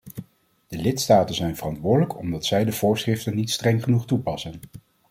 De lidstaten zijn verantwoordelijk omdat zij de voorschriften niet streng genoeg toepassen.